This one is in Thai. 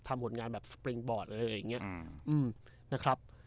ทำผลงานแบบอะไรอย่างเงี้ยนะครับ